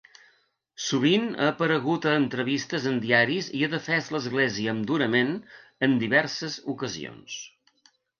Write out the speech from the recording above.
Sovint ha aparegut a entrevistes en diaris i ha defès l'església amb durament en diverses ocasions.